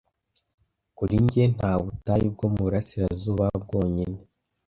Kuri njye nta butayu bwo mu burasirazuba bwonyine